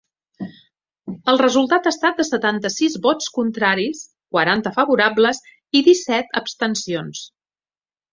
El resultat ha estat de setanta-sis vots contraris, quaranta favorables i disset abstencions.